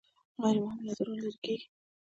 غیر مهم نظرونه لرې کیږي.